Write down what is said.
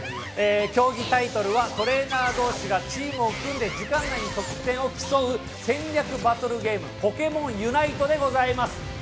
競技タイトルは、トレーナー同士がチームを組んで時間内に得点を競う戦略バトルゲーム『ＰｏｋｅｍｏｎＵＮＩＴＥ』でございます。